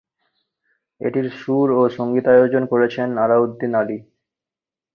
এটির সুর ও সঙ্গীতায়োজন করেছেন আলাউদ্দিন আলী।